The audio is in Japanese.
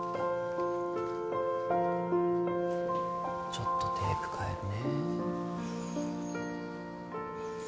ちょっとテープ替えるね。